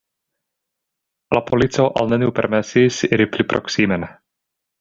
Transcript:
La polico al neniu permesis iri pli proksimen.